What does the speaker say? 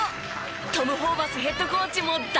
トム・ホーバスヘッドコーチも大絶賛でした。